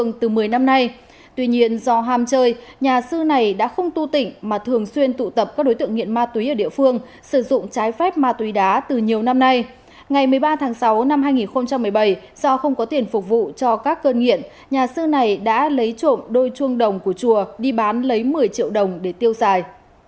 ngày một mươi ba tháng sáu năm hai nghìn một mươi bảy do không có tiền phục vụ cho các cơn nghiện nhà sư này đã lấy trộm đôi chuông đồng của chùa đi bán lấy một mươi triệu đồng để tiêu xài